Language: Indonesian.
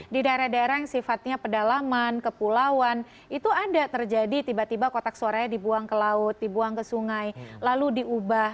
di daerah daerah yang sifatnya pedalaman kepulauan itu ada terjadi tiba tiba kotak suaranya dibuang ke laut dibuang ke sungai lalu diubah